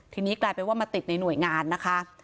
ทีนี้กลายเป็นว่ามาติดในหน่วยงานนะคะ